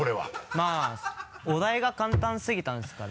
まぁお題が簡単すぎたんですかね